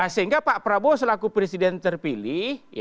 sehingga pak prabowo selaku presiden terpilih